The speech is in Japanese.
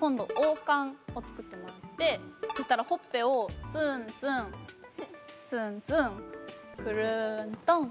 今度王冠をつくってもらってそしたらほっぺをツンツンツンツンクルトンッ！